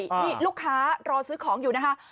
นี่ลูกค้ารอซื้อของอยู่นะคะ